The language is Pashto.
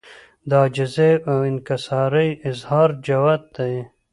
د عاجزۍاو انکسارۍ اظهار جوت دی